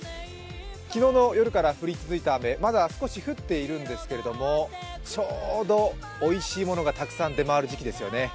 昨日の夜から降り続いた雨まだ少し降っているんですけれどもちょうどおいしいものがたくさん出回る時期ですよね。